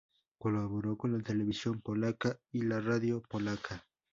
Colaboró con la televisión polaca y la radio polaca.